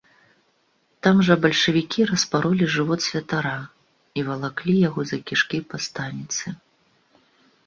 Там жа бальшавікі распаролі жывот святара і валаклі яго за кішкі па станіцы.